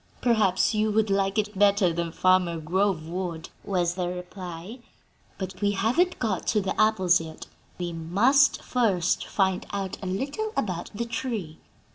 "Perhaps you would like it better than Farmer Grove would," was the reply. "But we haven't got to the apples yet; we must first find out a little about the tree.